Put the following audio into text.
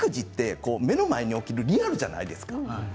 育児って目の前に起きるリアルじゃないですか。